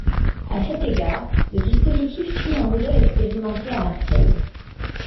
À cet égard, le dispositif suit un modèle expérimenté à Marseille.